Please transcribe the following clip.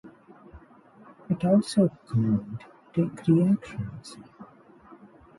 It also can’t take reactions.